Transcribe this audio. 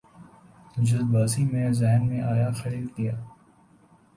جلد بازی میں ذہن میں آیا خرید لیا